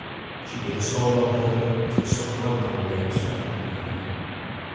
She neither saw nor heard till some well known names fell upon her ear.